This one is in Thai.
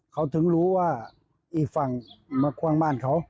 เขาถึงรู้ว่าอีกฝั่งมาคว่างบ้านเขา